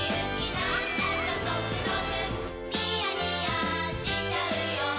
なんだかゾクゾクニヤニヤしちゃうよ